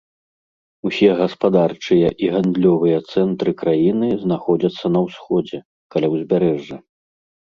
Усе гаспадарчыя і гандлёвыя цэнтры краіны знаходзяцца на ўсходзе, каля ўзбярэжжа.